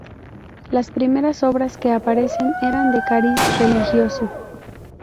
Las primeras obras que aparecen eran de cariz religioso.